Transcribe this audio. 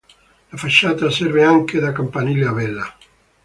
La facciata serve anche da campanile a vela.